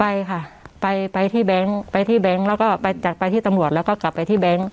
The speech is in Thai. ไปค่ะไปไปที่แบงค์ไปที่แบงค์แล้วก็ไปจัดไปที่ตำรวจแล้วก็กลับไปที่แบงค์